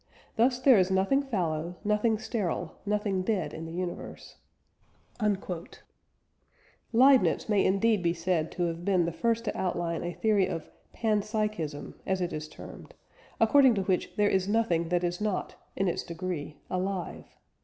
Thus there is nothing fallow, nothing sterile, nothing dead in the universe...." Leibniz may indeed be said to have been the first to outline a theory of "panpsychism" (as it is termed), according to which there is nothing that is not, in its degree, alive.